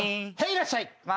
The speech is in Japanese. いらっしゃい。